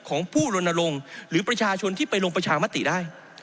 ของผู้ลนลงหรือประชาชนที่ไปลงประชามติได้